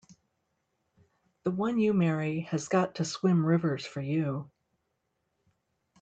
The one you marry has got to swim rivers for you!